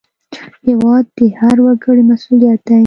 هېواد د هر وګړي مسوولیت دی.